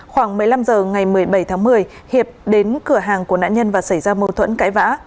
khoảng một mươi năm h ngày một mươi bảy tháng một mươi hiệp đến cửa hàng của nạn nhân và xảy ra mâu thuẫn cãi vã